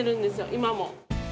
今も。